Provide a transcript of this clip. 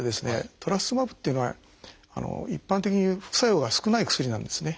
トラスツズマブっていうのは一般的に副作用が少ない薬なんですね。